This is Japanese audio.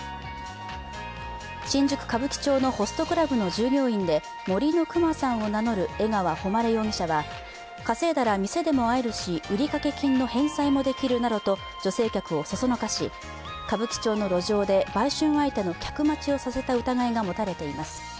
新宿・歌舞伎町のホストクラブの従業員で森のくまさんを名乗る江川誉容疑者は稼いだら店でも会えるし、売掛金の返済もできるなどと女性客をそそのかし歌舞伎町の路上で売春相手の客待ちをさせた疑いが持たれています。